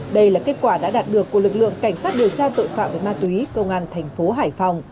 đây là kết quả đã đạt được của lực lượng cảnh sát điều tra tội phạm về ma túy công an thành phố hải phòng